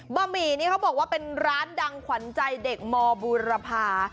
ะหมี่นี่เขาบอกว่าเป็นร้านดังขวัญใจเด็กมบูรพา